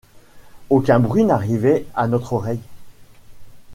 Aucun bruit n’arrivait à notre oreille.